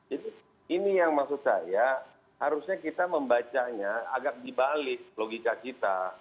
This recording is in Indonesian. jadi ini yang maksud saya harusnya kita membacanya agak dibalik logika kita